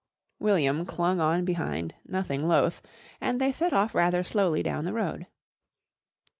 "] William clung on behind, nothing loth, and they set off rather slowly down the road.